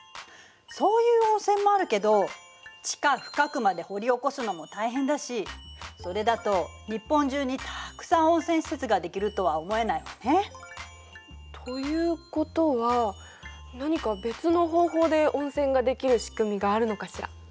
そういう温泉もあるけど地下深くまで掘り起こすのも大変だしそれだと日本中にたくさん温泉施設ができるとは思えないわね。ということは何か別の方法で温泉ができる仕組みがあるのかしら。